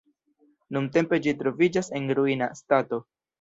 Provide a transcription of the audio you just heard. Nuntempe ĝi troviĝas en ruina stato.